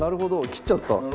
切っちゃった。